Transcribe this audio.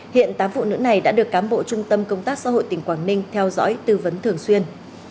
hiện tám phụ nữ này đã được cán bộ trung tâm công tác xã hội tỉnh quảng ninh theo dõi tư vấn thường xuyên